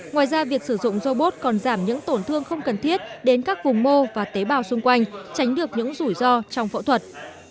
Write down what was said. ngoài ra việc sử dụng robot còn giảm những tổn thương không cần thiết đến các vùng mô và tế bào xung quanh tránh được những rủi ro trong phẫu thuật